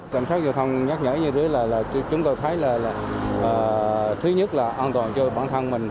cảnh sát giao thông nhắc nhở như thế là chúng tôi thấy là thứ nhất là an toàn cho bản thân mình